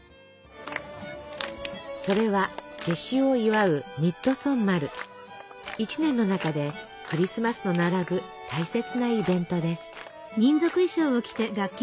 それは夏至を祝う１年の中でクリスマスと並ぶ大切なイベントです。